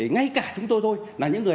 ngay cả chúng tôi thôi là những người